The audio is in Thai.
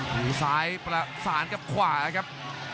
หูซ้ายประสานกับขวาครับ